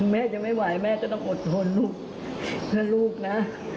แม่จะไม่ไหวแม่ก็ต้องอดทนลูกถ้าลูกนะ